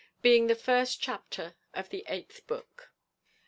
_Being the first chapter of the eighth book.